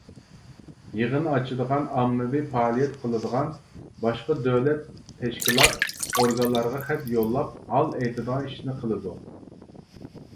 يىغىن ئاچىدىغان، ئاممىۋى پائالىيەت قىلىدىغان، باشقا دۆلەت، تەشكىلات، ئورگانلارغا خەت يوللاپ، ھال ئېيتىدىغان ئىشنى قىلىدۇ.